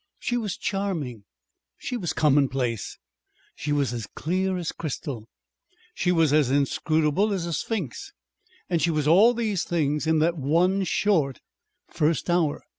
She was charming; she was commonplace. She was as clear as crystal; she was as inscrutable as a sphinx and she was all these things in that one short first hour.